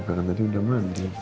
karena tadi udah mandi